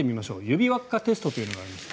指輪っかテストというのがあります。